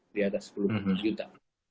di atas sepuluh juta